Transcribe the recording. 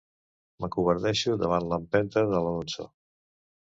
M'acovardeixo davant l'empenta de l'Alonso.